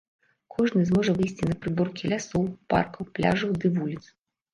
Кожны зможа выйсці на прыборкі лясоў, паркаў, пляжаў ды вуліц.